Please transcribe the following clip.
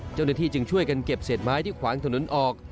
เจ้าหน้าที่จึงช่วยกันเก็บเศษไม้ที่ขวางถนนออก